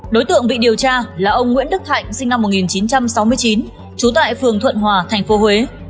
đối tượng bị điều tra là ông nguyễn đức thạnh sinh năm một nghìn chín trăm sáu mươi chín trú tại phường thuận hòa tp huế